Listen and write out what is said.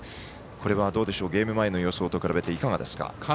これは、ゲーム前の予想と比べていかがですか？